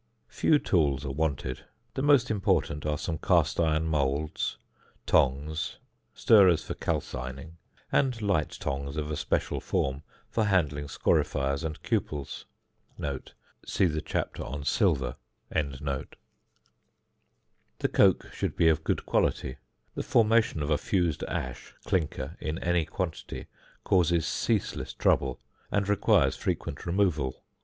Few tools are wanted; the most important are some cast iron moulds, tongs (fig. 9), stirrers for calcining (fig. 10), and light tongs of a special form for handling scorifiers and cupels (see SILVER). [Illustration: FIG. 9.] [Illustration: FIG. 10.] The coke used should be of good quality; the formation of a fused ash (clinker), in any quantity, causes ceaseless trouble, and requires frequent removal.